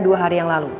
dua hari yang lalu